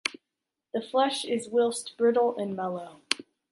The flesh is whitish, brittle and mellow.